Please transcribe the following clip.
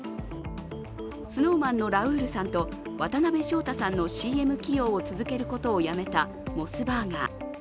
ＳｎｏｗＭａｎのラウールさんと渡辺翔太さんのＣＭ起用を続けることをやめたモスバーガー。